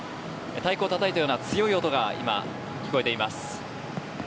太鼓をたたいたような強い音が聞こえています。